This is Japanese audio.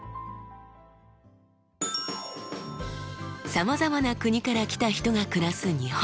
さまざまな国から来た人が暮らす日本。